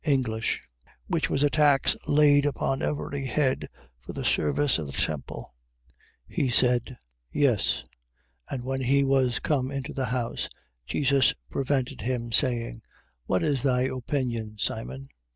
English: which was a tax laid upon every head for the service of the temple. 17:24. He said: Yes. And when he was come into the house, Jesus prevented him, saying: What is thy opinion, Simon?